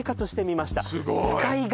すごい！